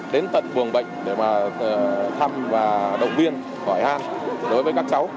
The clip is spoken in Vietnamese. đến tận vườn bệnh để mà thăm và động viên khỏi an đối với các cháu